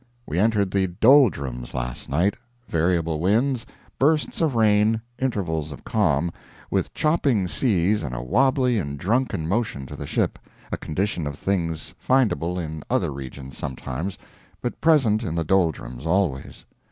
We entered the "doldrums" last night variable winds, bursts of rain, intervals of calm, with chopping seas and a wobbly and drunken motion to the ship a condition of things findable in other regions sometimes, but present in the doldrums always.